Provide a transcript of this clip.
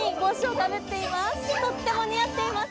とっても似合っています。